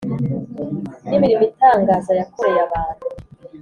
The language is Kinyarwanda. n’imirimo itangaza yakoreye abantu.